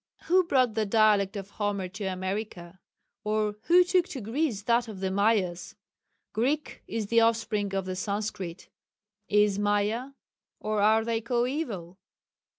Who brought the dialect of Homer to America? or who took to Greece that of the Mayas? Greek is the off spring of the Sanscrit. Is Maya? or are they coeval?"